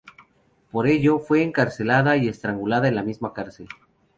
Por ello, fue encarcelada y estrangulada en la misma cárcel.